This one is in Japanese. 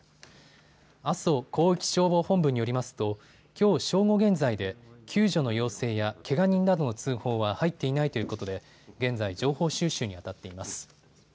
阿蘇広域消防本部によりますときょう正午現在で救助の要請やけが人などの通報は入っていないということで現在情報収集にあたっています。